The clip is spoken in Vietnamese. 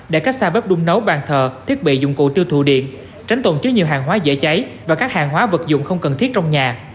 để cách xa bếp đung nấu bàn thờ thiết bị dụng cụ tiêu thụ điện tránh tổn chứa nhiều hàng hóa dễ cháy và các hàng hóa vật dụng không cần thiết trong nhà